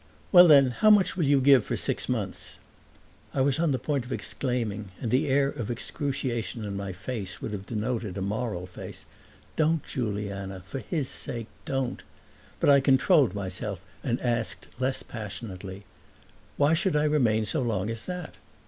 "Well then, how much will you give for six months?" I was on the point of exclaiming and the air of excruciation in my face would have denoted a moral face "Don't, Juliana; for HIS sake, don't!" But I controlled myself and asked less passionately: "Why should I remain so long as that?"